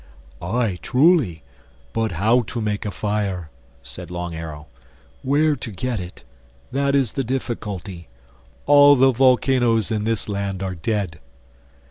"Aye, truly. But how to make a fire," said Long Arrow—"where to get it: that is the difficulty. All the volcanoes in this land are dead."